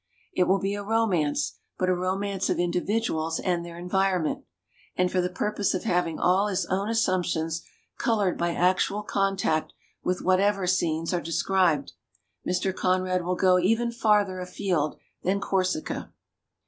It will be a ro mance, but a romance of individuals and their environment. And for the purpose of having all his own assump tions colored by actual contact with whatever scenes are described, Mr. Conrad will go even farther afield than Corsica.